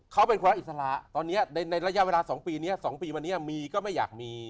เขาเป็นความรักอิสระตอนนี้ในระยะเวลา๒ปีนี้๒ปีมานี้มีก็ไม่อยากมี